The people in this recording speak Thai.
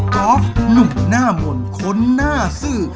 อล์ฟหนุ่มหน้ามนต์คนหน้าซื่อ